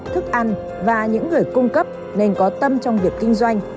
thức ăn và những người cung cấp nên có tâm trong việc kinh doanh